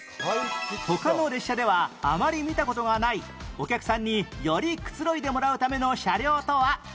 他の列車ではあまり見た事がないお客さんによりくつろいでもらうための車両とは？